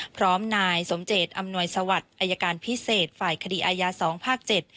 พร้อมนายสมเจตอำนวยสวัสดิ์อายการพิเศษฝ่ายคดีอายาสองภาคเจ็ด